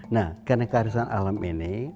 nah karena kearifan alam ini